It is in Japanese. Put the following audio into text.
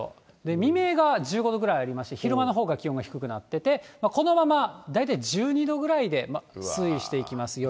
未明が１５度ぐらいありまして、昼間のほうが気温が低くなってて、このまま大体１２度ぐらいで推移していきます、夜。